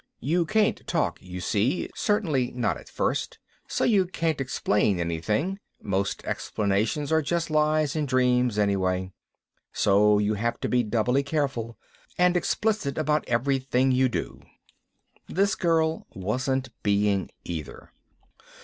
You can't talk, you see, certainly not at first, and so you can't explain anything (most explanations are just lies and dreams, anyway), so you have to be doubly careful and explicit about everything you do. This girl wasn't being either.